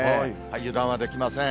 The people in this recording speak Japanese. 油断はできません。